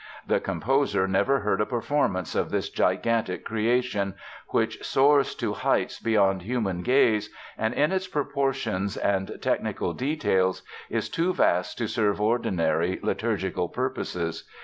The composer never heard a performance of this gigantic creation, which soars to heights beyond human gaze and, in its proportions and technical details, is too vast to serve ordinary liturgical purposes.